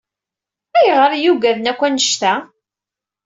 Ayɣer i yugaden akk annect-a?